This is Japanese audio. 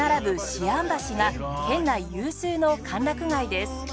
思案橋が県内有数の歓楽街です